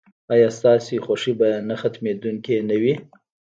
ایا ستاسو خوښي به نه ختمیدونکې نه وي؟